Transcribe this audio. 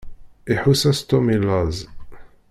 Iḥuss-as Tom i laẓ.